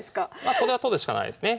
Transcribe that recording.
これは取るしかないですね。